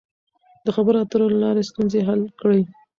د خبرو اترو له لارې ستونزې حل کړئ.